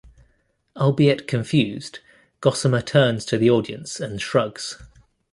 Albeit confused, Gossamer turns to the audience and shrugs.